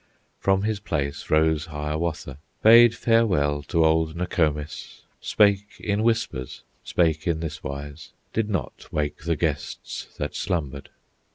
From his place rose Hiawatha, Bade farewell to old Nokomis, Spake in whispers, spake in this wise, Did not wake the guests, that slumbered.